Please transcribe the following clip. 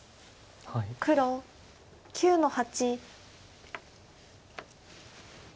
黒９の八。